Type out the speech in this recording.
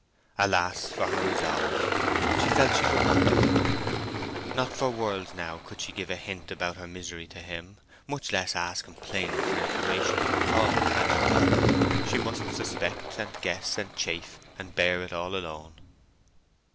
Alas for her resolve! She felt she could not do it. Not for worlds now could she give a hint about her misery to him, much less ask him plainly for information on the cause of Fanny's death. She must suspect, and guess, and chafe, and bear it all alone.